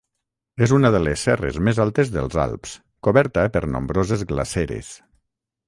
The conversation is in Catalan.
És una de les serres més altes dels Alps, coberta per nombroses glaceres.